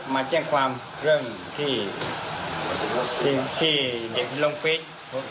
มาแจ้งความเรื่องที่เด็กล้มฟิต